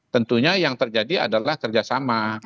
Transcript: tentunya yang terjadi adalah kerjasama